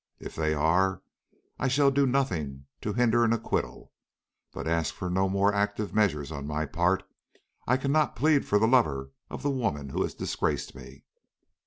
If they are, I shall do nothing to hinder an acquittal; but ask for no more active measures on my part. I cannot plead for the lover of the woman who has disgraced me."